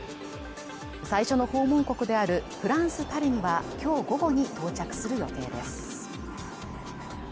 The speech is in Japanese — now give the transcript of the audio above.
最初の訪問国であるフランス・パリにはきょう午後に到着する予定です